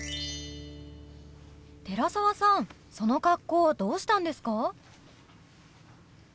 寺澤さんその格好どうしたんですか？